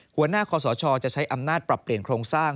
หัวหน้าคอสชจะใช้อำนาจปรับเปลี่ยนโครงสร้าง